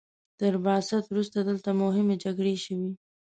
تر بعثت وروسته دلته مهمې جګړې شوي.